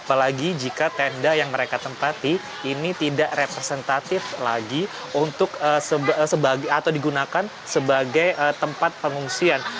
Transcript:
apalagi jika tenda yang mereka tempati ini tidak representatif lagi untuk digunakan sebagai tempat pengungsian